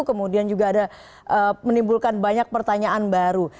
kemudian juga ada menimbulkan banyak pertanyaan baru